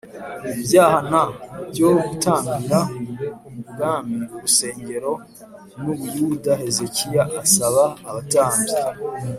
ibyaha n byo gutambira ubwami urusengero n u Buyuda Hezekiya asaba abatambyi